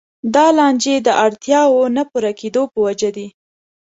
دا لانجې د اړتیاوو نه پوره کېدو په وجه دي.